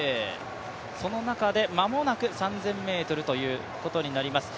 その中で間もなく３０００ｍということになります。